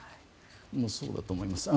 そうだと思います。